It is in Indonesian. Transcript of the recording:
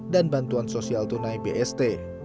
dan bantuan sosial tunai bst